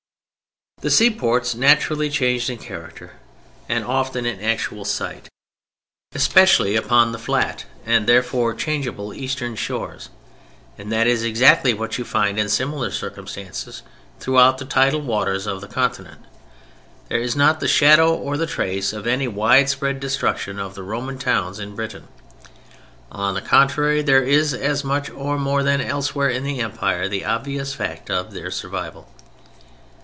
The seaports naturally changed in character and often in actual site, especially upon the flat, and therefore changeable, eastern shores—and that is exactly what you find in similar circumstances throughout the tidal waters of the Continent. There is not the shadow or the trace of any widespread destruction of the Roman towns in Britain. On the contrary there is, as much or more than elsewhere in the Empire, the obvious fact of their survival.